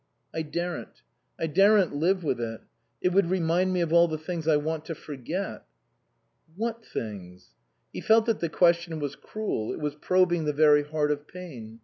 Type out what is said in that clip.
" I daren't. I daren't live with it. It would remind me of all the things I want to forget." " What things ?" He felt that the question was cruel, it was probing the very heart of pain.